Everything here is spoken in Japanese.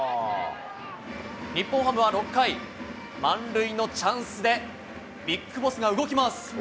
日本ハムは６回、満塁のチャンスで、ＢＩＧＢＯＳＳが動きます。